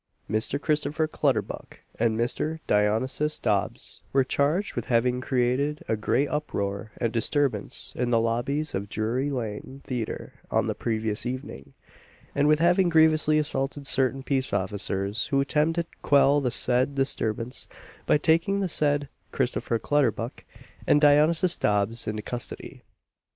Mr. Christopher Clutterbuck and Mr. Dionysius Dobbs were charged with having created a great uproar and disturbance in the lobbies of Drury lane Theatre on the previous evening, and with having grievously assaulted certain peace officers, who attempted to quell the said disturbance, by taking the said Christopher Clutterbuck and Dionysius Dobbs into custody.